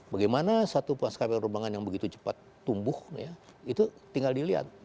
bagaimana satu maskapai perubahan yang begitu cepat tumbuh itu tinggal dilihat